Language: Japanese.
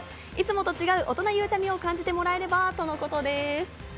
いつもと違う大人ゆうちゃみを感じてもらえればとのことです。